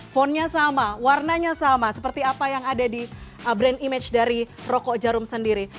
fontnya sama warnanya sama seperti apa yang ada di brand image dari rokok jarum sendiri